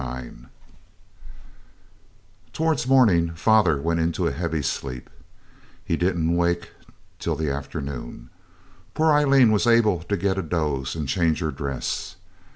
Chapter 39 Towards morning father went into a heavy sleep; he didn't wake till the afternoon. Poor Aileen was able to get a doze and change her dress.